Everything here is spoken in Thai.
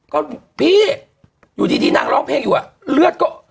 ก็พี่อยู่ดีนางร้องเพลงอยู่เลือดก็